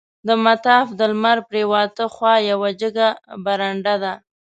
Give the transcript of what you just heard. د مطاف د لمر پریواته خوا یوه جګه برنډه ده.